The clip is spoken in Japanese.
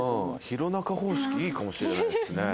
弘中方式いいかもしれないですね。